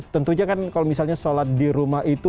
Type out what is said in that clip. tentunya kan kalau misalnya sholat di rumah itu